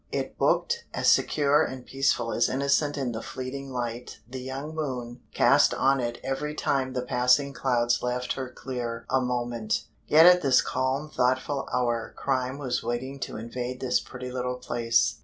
It booked as secure and peaceful as innocent in the fleeting light the young moon cast on it every time the passing clouds left her clear a moment. Yet at this calm thoughtful hour crime was waiting to invade this pretty little place.